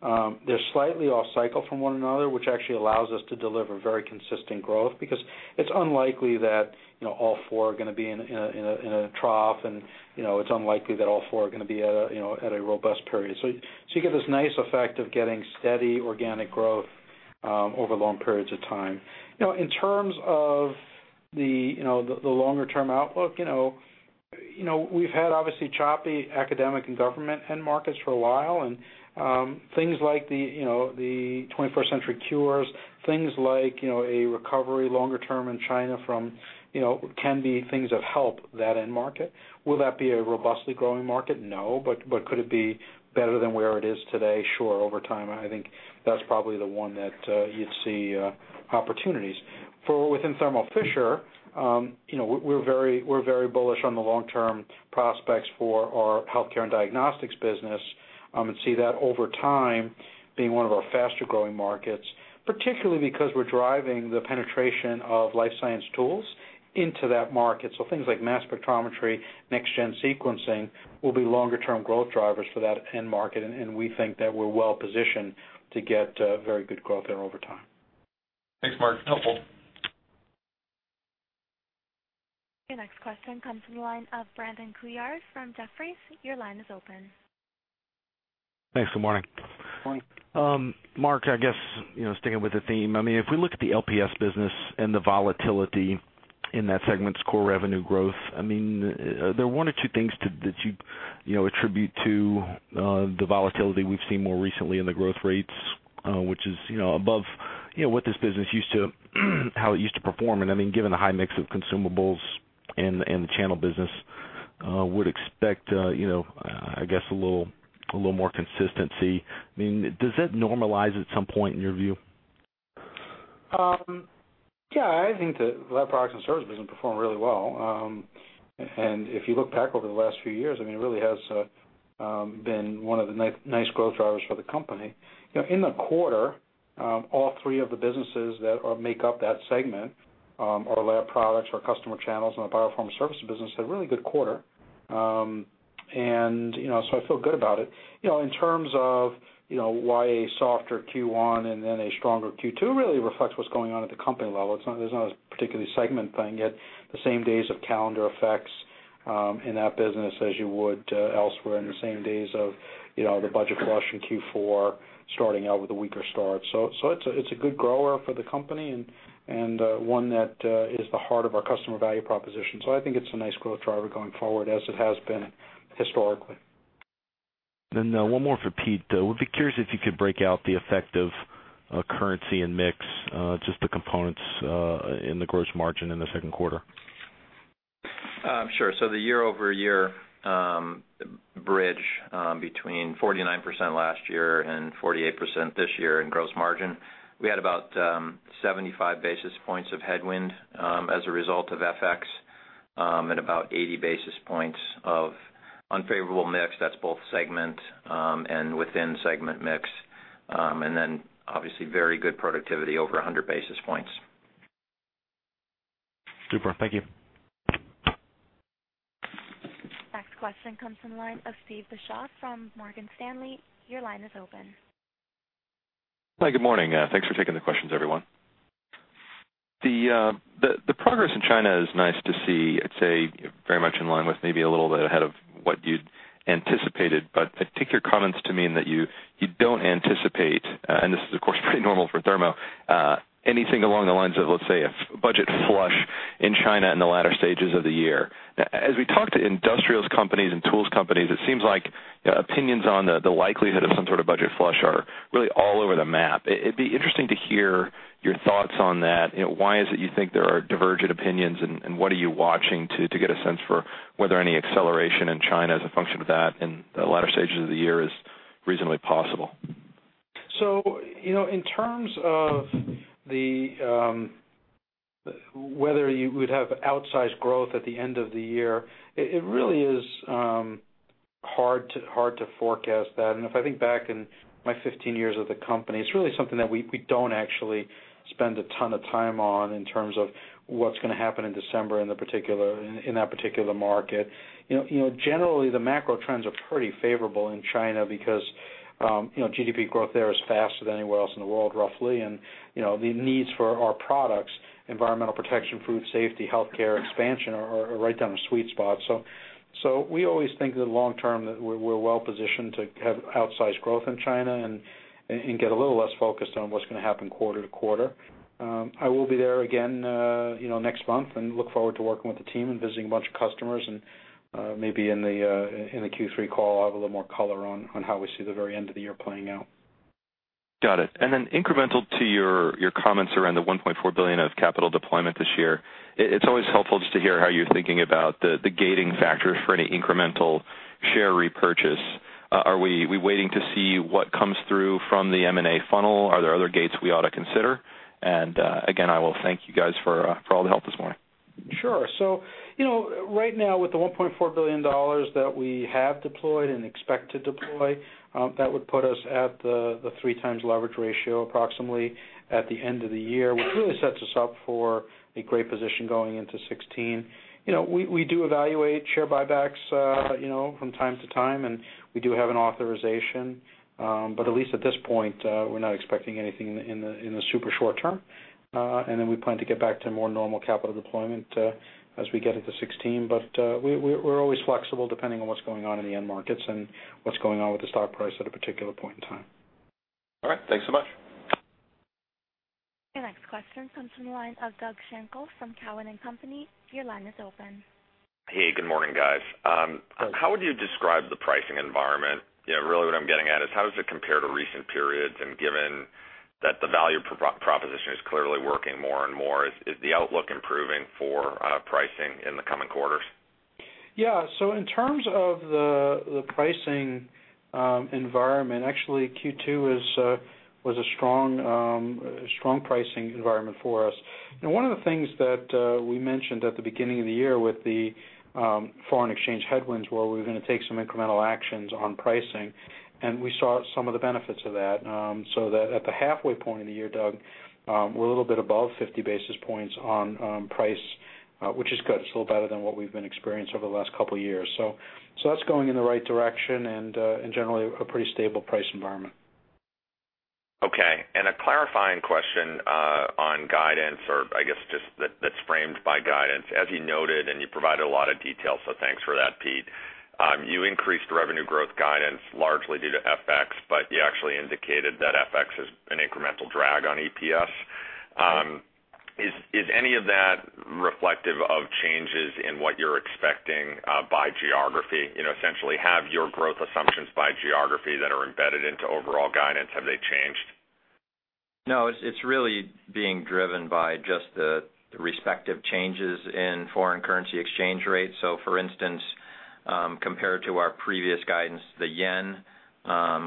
They're slightly off cycle from one another, which actually allows us to deliver very consistent growth because it's unlikely that all four are going to be in a trough, and it's unlikely that all four are going to be at a robust period. You get this nice effect of getting steady organic growth over long periods of time. In terms of the longer-term outlook, we've had obviously choppy academic and government end markets for a while, and things like the 21st Century Cures, things like a recovery longer term in China can be things that help that end market. Will that be a robustly growing market? No, but could it be better than where it is today? Sure. Over time, I think that's probably the one that you'd see opportunities. Within Thermo Fisher, we're very bullish on the longer-term prospects for our healthcare and diagnostics business, and see that over time being one of our faster-growing markets, particularly because we're driving the penetration of life science tools into that market. Things like mass spectrometry, next-gen sequencing will be longer-term growth drivers for that end market, and we think that we're well-positioned to get very good growth there over time. Thanks, Marc. Helpful. Your next question comes from the line of Brandon Couillard from Jefferies. Your line is open. Thanks, good morning. Morning. Marc, I guess, sticking with the theme, if we look at the LPS business and the volatility in that segment's core revenue growth, are there one or two things that you attribute to the volatility we've seen more recently in the growth rates, which is above how this business used to perform? Given the high mix of consumables in the channel business, I would expect I guess a little more consistency. Does that normalize at some point in your view? Yeah, I think the Laboratory Products and Services business performed really well. If you look back over the last few years, it really has been one of the nice growth drivers for the company. In the quarter, all three of the businesses that make up that segment, our lab products, our customer channels, and our biopharma service business, had a really good quarter. I feel good about it. In terms of why a softer Q1 and then a stronger Q2 really reflects what's going on at the company level. It's not a particularly segment thing, yet the same days of calendar effects in that business as you would elsewhere, and the same days of the budget flush in Q4 starting out with a weaker start. It's a good grower for the company and one that is the heart of our customer value proposition. I think it's a nice growth driver going forward as it has been historically. One more for Pete. Would be curious if you could break out the effect of currency and mix, just the components in the gross margin in the second quarter. Sure. The year-over-year bridge between 49% last year and 48% this year in gross margin, we had about 75 basis points of headwind as a result of FX, and about 80 basis points of unfavorable mix, that's both segment and within-segment mix. Obviously very good productivity over 100 basis points. Super. Thank you. Next question comes from the line of Steve Beuchaw from Morgan Stanley. Your line is open. Hi, good morning. Thanks for taking the questions, everyone. The progress in China is nice to see. I'd say very much in line with maybe a little bit ahead of what you'd anticipated, but I take your comments to mean that you don't anticipate, and this is of course pretty normal for Thermo, anything along the lines of, let's say, a budget flush in China in the latter stages of the year. As we talk to industrials companies and tools companies, it seems like opinions on the likelihood of some sort of budget flush are really all over the map. It'd be interesting to hear your thoughts on that. Why is it you think there are divergent opinions, and what are you watching to get a sense for whether any acceleration in China as a function of that in the latter stages of the year is reasonably possible? In terms of whether you would have outsized growth at the end of the year, it really is hard to forecast that. If I think back in my 15 years with the company, it's really something that we don't actually spend a ton of time on in terms of what's going to happen in December in that particular market. Generally, the macro trends are pretty favorable in China because GDP growth there is faster than anywhere else in the world, roughly. The needs for our products, environmental protection, food safety, healthcare expansion, are right down the sweet spot. We always think that long term, that we're well positioned to have outsized growth in China and get a little less focused on what's going to happen quarter to quarter. I will be there again next month and look forward to working with the team and visiting a bunch of customers. Maybe in the Q3 call, I'll have a little more color on how we see the very end of the year playing out. Got it. Incremental to your comments around the $1.4 billion of capital deployment this year, it's always helpful just to hear how you're thinking about the gating factors for any incremental share repurchase. Are we waiting to see what comes through from the M&A funnel? Are there other gates we ought to consider? Again, I will thank you guys for all the help this morning. Sure. Right now, with the $1.4 billion that we have deployed and expect to deploy, that would put us at the 3x leverage ratio approximately at the end of the year, which really sets us up for a great position going into 2016. We do evaluate share buybacks from time to time, we do have an authorization. At least at this point, we're not expecting anything in the super short term. We plan to get back to more normal capital deployment as we get into 2016. We're always flexible depending on what's going on in the end markets and what's going on with the stock price at a particular point in time. All right. Thanks so much. Your next question comes from the line of Doug Schenkel from Cowen and Company. Your line is open. Hey, good morning, guys. How would you describe the pricing environment? Really what I'm getting at is how does it compare to recent periods? Given that the value proposition is clearly working more and more, is the outlook improving for pricing in the coming quarters? Yeah. In terms of the pricing environment, actually Q2 was a strong pricing environment for us. One of the things that we mentioned at the beginning of the year with the foreign exchange headwinds, were we were going to take some incremental actions on pricing, and we saw some of the benefits of that. That at the halfway point of the year, Doug, we're a little bit above 50 basis points on price, which is good. It's a little better than what we've been experienced over the last couple of years. That's going in the right direction and, generally, a pretty stable price environment. A clarifying question on guidance, or I guess, just that's framed by guidance. As you noted, you provided a lot of detail, so thanks for that, Pete. You increased revenue growth guidance largely due to FX, but you actually indicated that FX is an incremental drag on EPS. Is any of that reflective of changes in what you're expecting by geography? Essentially, have your growth assumptions by geography that are embedded into overall guidance, have they changed? No, it's really being driven by just the respective changes in foreign currency exchange rates. For instance, compared to our previous guidance, the yen,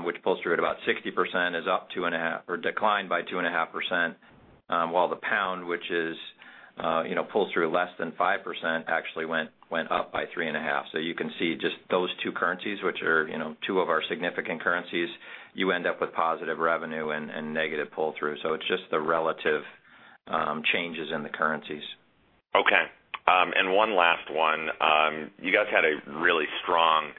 which pulls through at about 60%, declined by 2.5%, while the pound, which pulls through less than 5%, actually went up by 3.5%. You can see just those two currencies, which are two of our significant currencies, you end up with positive revenue and negative pull-through. It's just the relative changes in the currencies. Okay. One last one. You guys had a really strong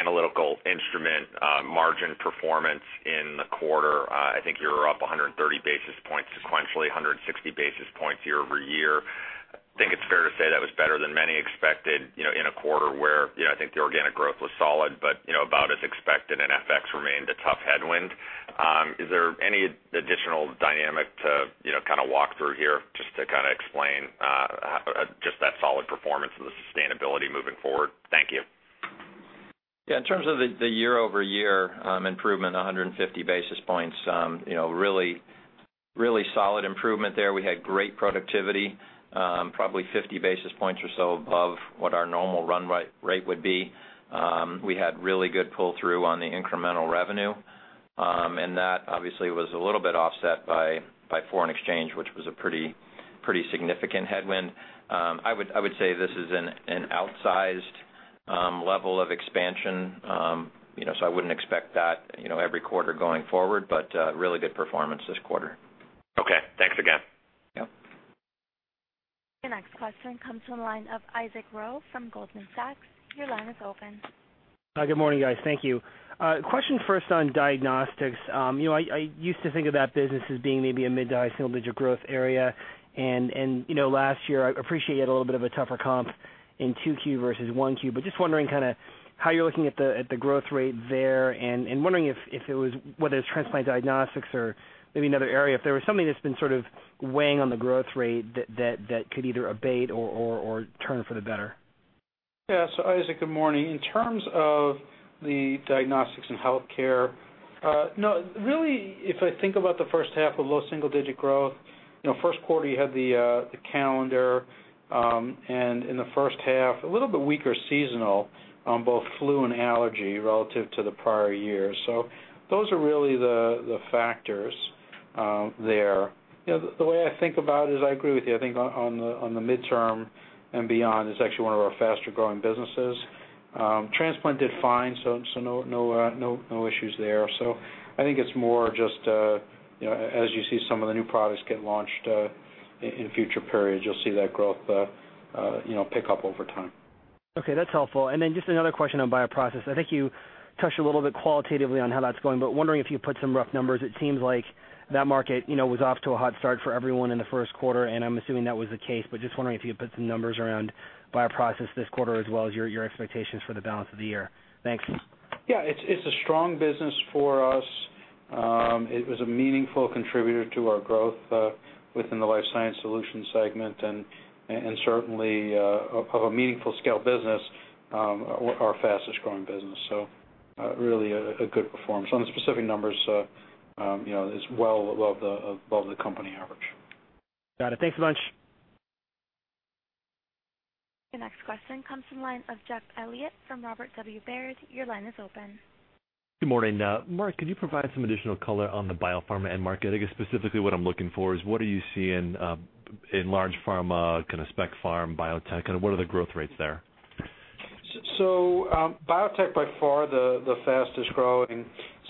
Analytical Instruments margin performance in the quarter. I think you're up 130 basis points sequentially, 160 basis points year-over-year. I think it's fair to say that was better than many expected, in a quarter where I think the organic growth was solid, but about as expected, and FX remained a tough headwind. Is there any additional dynamic to kind of walk through here just to kind of explain just that solid performance and the sustainability moving forward? Thank you. Yeah. In terms of the year-over-year improvement, 150 basis points, really solid improvement there. We had great productivity, probably 50 basis points or so above what our normal run rate would be. We had really good pull-through on the incremental revenue. That obviously was a little bit offset by foreign exchange, which was a pretty significant headwind. I would say this is an outsized level of expansion, so I wouldn't expect that every quarter going forward, but really good performance this quarter. Okay. Thanks again. Yep. Your next question comes from the line of Isaac Ro from Goldman Sachs. Your line is open. Hi. Good morning, guys. Thank you. A question first on diagnostics. I used to think of that business as being maybe a mid to high single-digit growth area. Last year, I appreciate you had a little bit of a tougher comp in 2Q versus 1Q, just wondering kind of how you're looking at the growth rate there and wondering whether it's transplant diagnostics or maybe another area, if there was something that's been sort of weighing on the growth rate that could either abate or turn for the better? Yes. Isaac, good morning. In terms of the diagnostics in healthcare, really, if I think about the first half of low single-digit growth, first quarter you had the calendar, in the first half, a little bit weaker seasonal on both flu and allergy relative to the prior year. Those are really the factors there. The way I think about it is I agree with you. I think on the midterm and beyond, it's actually one of our faster-growing businesses. Transplant did fine, no issues there. I think it's more just as you see some of the new products get launched in future periods, you'll see that growth pick up over time. Okay, that's helpful. Just another question on bioprocess. I think you touched a little bit qualitatively on how that's going, but wondering if you put some rough numbers. It seems like that market was off to a hot start for everyone in the first quarter, and I'm assuming that was the case, but just wondering if you could put some numbers around bioprocess this quarter as well as your expectations for the balance of the year. Thanks. Yeah. It's a strong business for us. It was a meaningful contributor to our growth within the Life Sciences Solutions Segment and certainly, of a meaningful scale business, our fastest growing business. Really a good performance. On the specific numbers, it's well above the company average. Got it. Thanks a bunch. Your next question comes from the line of Jeff Elliott from Robert W. Baird. Your line is open. Good morning. Marc, could you provide some additional color on the biopharma end market? I guess specifically what I'm looking for is what are you seeing in large pharma, kind of spec pharma, biotech, and what are the growth rates there? Biotech by far the fastest growing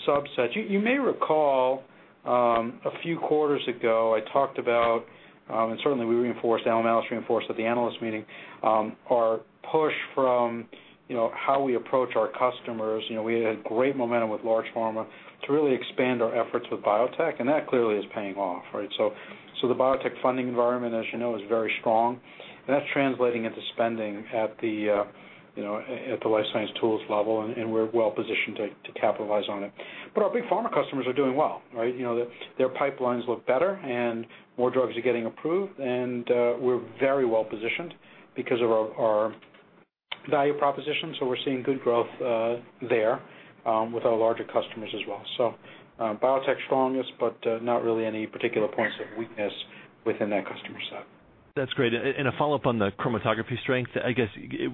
subset. You may recall, a few quarters ago I talked about, and certainly we reinforced, Alan Aliss reinforced at the analyst meeting, our push from how we approach our customers. We had great momentum with large pharma to really expand our efforts with biotech, and that clearly is paying off, right? The biotech funding environment, as you know, is very strong. That's translating into spending at the life science tools level, and we're well positioned to capitalize on it. But our big pharma customers are doing well, right? Their pipelines look better and more drugs are getting approved, and we're very well positioned because of our value proposition. We're seeing good growth there, with our larger customers as well. Biotech strongest, but not really any particular points of weakness within that customer set. That's great. A follow-up on the chromatography strength, I guess,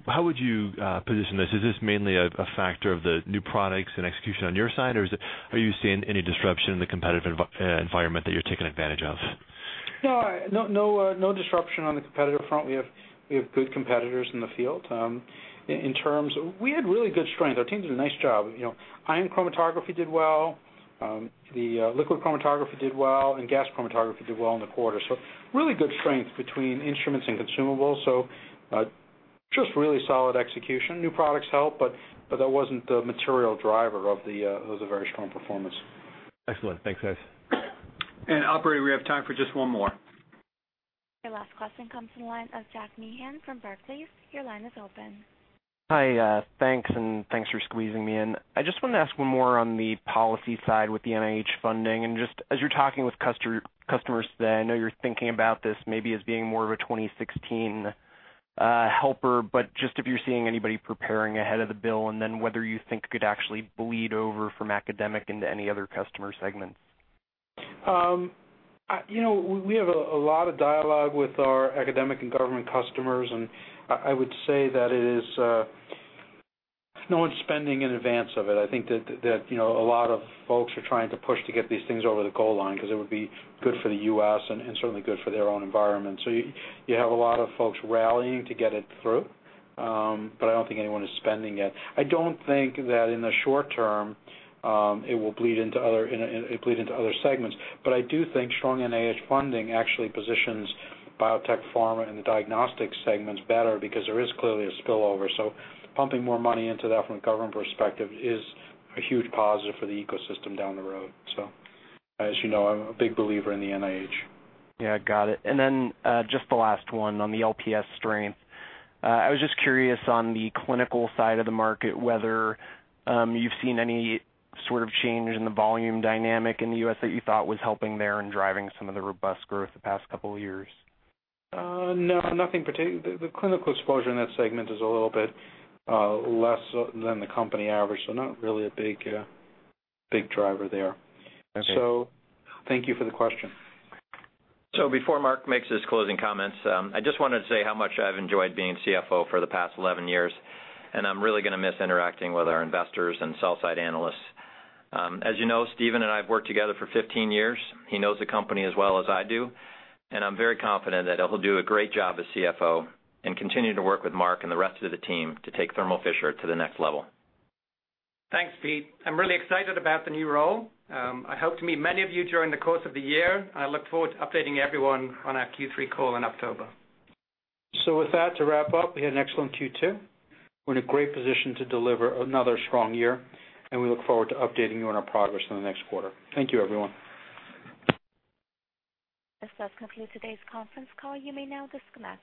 how would you position this? Is this mainly a factor of the new products and execution on your side, or are you seeing any disruption in the competitive environment that you're taking advantage of? No disruption on the competitive front. We have good competitors in the field. In terms, we had really good strength. Our team did a nice job. Ion chromatography did well, the liquid chromatography did well, and gas chromatography did well in the quarter. Really good strength between instruments and consumables. Just really solid execution. New products help, but that wasn't the material driver of the very strong performance. Excellent. Thanks, guys. Operator, we have time for just one more. Your last question comes from the line of Jack Meehan from Barclays. Your line is open. Hi, thanks, and thanks for squeezing me in. I just wanted to ask one more on the policy side with the NIH funding, and just as you're talking with customers today, I know you're thinking about this maybe as being more of a 2016 helper, but just if you're seeing anybody preparing ahead of the bill, and then whether you think it could actually bleed over from academic into any other customer segments. We have a lot of dialogue with our academic and government customers. I would say that it is no one's spending in advance of it. I think that a lot of folks are trying to push to get these things over the goal line because it would be good for the U.S. and certainly good for their own environment. You have a lot of folks rallying to get it through, but I don't think anyone is spending yet. I don't think that in the short term, it will bleed into other segments. I do think strong NIH funding actually positions biotech, pharma, and the diagnostics segments better because there is clearly a spillover. Pumping more money into that from a government perspective is a huge positive for the ecosystem down the road. As you know, I'm a big believer in the NIH. Yeah, got it. Just the last one on the LPS strength. I was just curious on the clinical side of the market, whether you've seen any sort of change in the volume dynamic in the U.S. that you thought was helping there and driving some of the robust growth the past couple of years? No, nothing particular. The clinical exposure in that segment is a little bit less than the company average, not really a big driver there. Okay. Thank you for the question. Before Marc Casper makes his closing comments, I just wanted to say how much I've enjoyed being CFO for the past 11 years, and I'm really going to miss interacting with our investors and sell-side analysts. As you know, Stephen Williamson and I have worked together for 15 years. He knows the company as well as I do, and I'm very confident that he'll do a great job as CFO and continue to work with Marc Casper and the rest of the team to take Thermo Fisher Scientific to the next level. Thanks, Peter M. Wilver. I'm really excited about the new role. I hope to meet many of you during the course of the year. I look forward to updating everyone on our Q3 call in October. With that, to wrap up, we had an excellent Q2. We're in a great position to deliver another strong year, and we look forward to updating you on our progress in the next quarter. Thank you, everyone. This does conclude today's conference call. You may now disconnect.